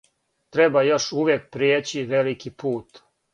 Треба још увијек пријећи велики пут.